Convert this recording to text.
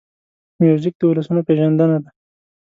موزیک د ولسونو پېژندنه ده.